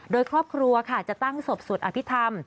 โดยครอบครัวค่ะจะตั้งศพสวดอภิษฐรรม